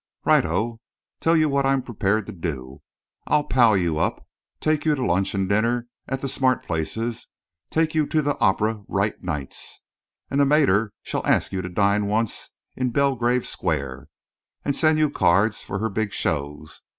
"Righto! Tell you what I'm prepared to do. I'll pal you up, take you to lunch and dinner at the smart places, take you to the Opera right nights, and the mater shall ask you to dine once in Belgrave Square and send you cards for her big shows.